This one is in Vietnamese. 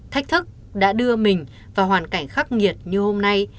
thách thức đã đưa mình vào hoàn cảnh khắc nghiệt như hôm nay